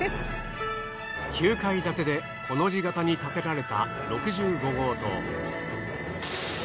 ９階建てでコの字型に建てられた６５号棟。